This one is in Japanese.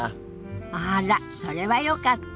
あらそれはよかった。